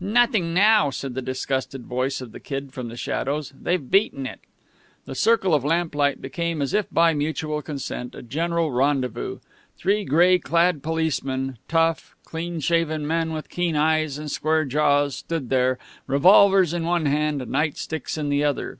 "Nothing now," said the disgusted voice of the Kid from the shadows. "They've beaten it." The circle of lamplight became as if by mutual consent a general rendezvous. Three gray clad policemen, tough, clean shaven men with keen eyes and square jaws, stood there, revolvers in one hand, night sticks in the other.